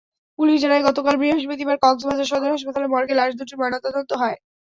Police জানায়, গতকাল বৃহস্পতিবার কক্সবাজার সদর হাসপাতালের মর্গে লাশ দুটির ময়নাতদন্ত হয়।